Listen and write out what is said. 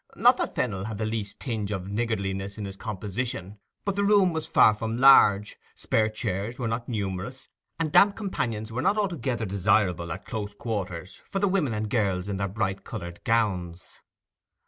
Not that Fennel had the least tinge of niggardliness in his composition; but the room was far from large, spare chairs were not numerous, and damp companions were not altogether desirable at close quarters for the women and girls in their bright coloured gowns.